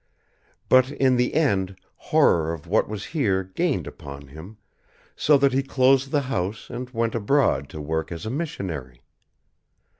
But in the end horror of what was here gained upon him so that he closed the house and went abroad to work as a missionary.